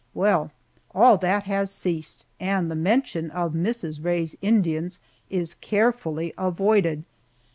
Well, all that has ceased, and the mention of "Mrs. Rae's Indians" is carefully avoided!